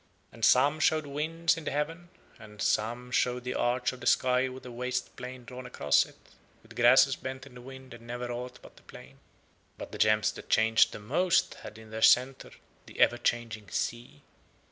And some showed winds in the heaven, and some showed the arch of the sky with a waste plain drawn across it, with grasses bent in the wind and never aught but the plain. But the gems that changed the most had in their centre the ever changing sea.